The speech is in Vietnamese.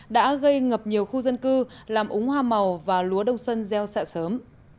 đã gây ngập nhiều khu dân cư làm úng hoa màu và lúa đông sân gieo sạ sớm